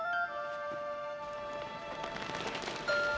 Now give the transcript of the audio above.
ya ma aku ngerti